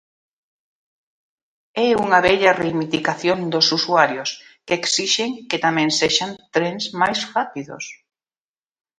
É unha vella reivindicación dos usuarios, que esixen que tamén sexan trens máis rápidos.